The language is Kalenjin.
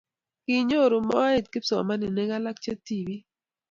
kinyoru moet kipsomaninik alak che tibik